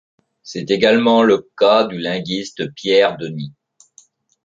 C'est également le cas du linguiste Pierre Denis.